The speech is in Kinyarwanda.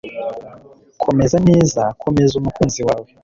Komeza neza Komeza umukunzi wawe